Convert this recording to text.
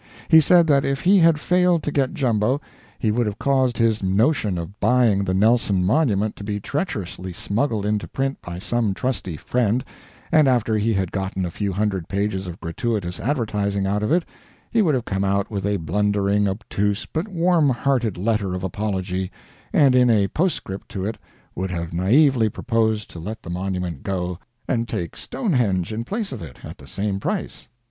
He said that if he had failed to get Jumbo he would have caused his notion of buying the Nelson Monument to be treacherously smuggled into print by some trusty friend, and after he had gotten a few hundred pages of gratuitous advertising out of it, he would have come out with a blundering, obtuse, but warm hearted letter of apology, and in a postscript to it would have naively proposed to let the Monument go, and take Stonehenge in place of it at the same price.